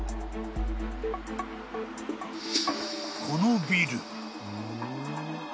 ［このビル］